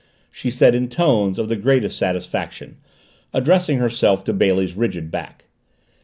she said in tones of the greatest satisfaction, addressing herself to Bailey's rigid back.